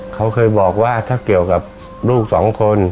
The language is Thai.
เขาเคยบอกว่าถ้าเกี่ยวกับลูกสองคน